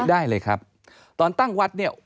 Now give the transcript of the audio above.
ได้เลยครับตอนตั้งวัดเนี่ย